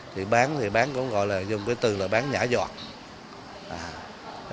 thì bán thì bán cũng gọi là dùng cái từ là bán nhả dọn